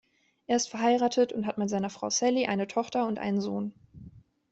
Er ist verheiratet und hat mit seiner Frau Sally eine Tochter und einen Sohn.